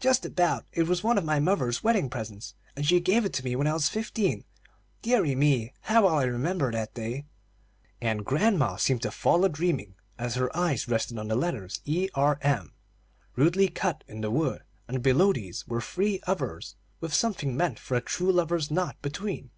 "Just about. It was one of my mother's wedding presents, and she gave it to me when I was fifteen. Deary me, how well I remember that day!" and grandma seemed to fall a dreaming as her eyes rested on the letters E. R. M. rudely cut in the wood, and below these were three others with something meant for a true lover's knot between.